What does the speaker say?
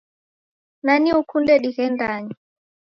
Nani ukunde dighendanye?